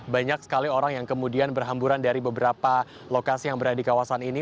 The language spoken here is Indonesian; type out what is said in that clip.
banyak sekali orang yang kemudian berhamburan dari beberapa lokasi yang berada di kawasan ini